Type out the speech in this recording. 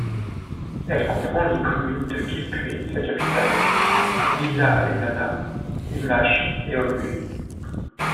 Elle comprend les communes de Quilpué, sa capitale, Villa Alemana, Limache et Olmué.